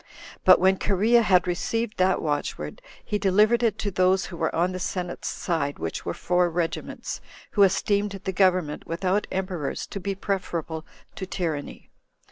But when Cherea had received that watchword, he delivered it to those who were on the senate's side, which were four regiments, who esteemed the government without emperors to be preferable to tyranny.